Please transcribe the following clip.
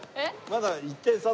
まだ１点差。